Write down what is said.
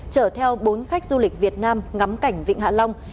chở theo bốn khách du lịch việt nam ngắm cảnh vịnh hạ long